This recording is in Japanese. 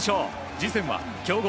次戦は強豪